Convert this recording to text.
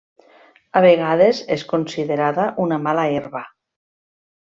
A vegades és considerada una mala herba.